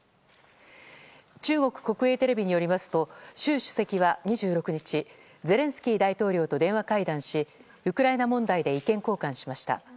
中国国営テレビによりますと習主席は２６日ゼレンスキー大統領と電話会談しウクライナ問題で意見交換しました。